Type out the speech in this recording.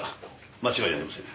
間違いありません。